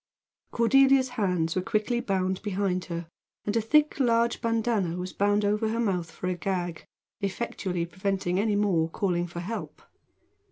Cordelia's hands were quickly bound behind her, and a thick large bandanna was bound over her mouth for a gag, effectually preventing any more calling for help.